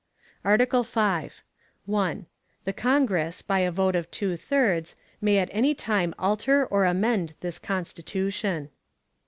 ARTICLE V. 1. The Congress, by a vote of two thirds, may at any time alter or amend this Constitution.